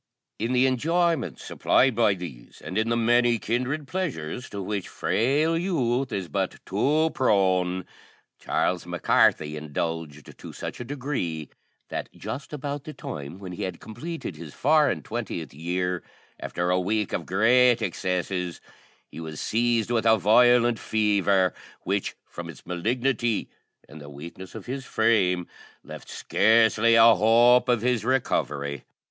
In the enjoyments supplied by these, and in the many kindred pleasures to which frail youth is but too prone, Charles Mac Carthy indulged to such a degree, that just about the time when he had completed his four and twentieth year, after a week of great excesses, he was seized with a violent fever, which, from its malignity, and the weakness of his frame, left scarcely a hope of his recovery.